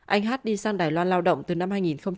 anh hát đi sang đài loan lao động từ năm hai nghìn hai mươi ba